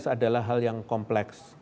adalah hal yang kompleks